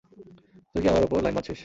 তুই কি আমার উপর লাইন মারছিস?